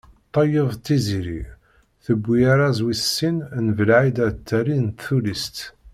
Ṭeyyeb Tiziri tewwi arraz wis sin n Belɛid At Ɛli n tullist.